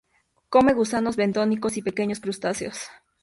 Come gusanos bentónicos y pequeños crustáceos.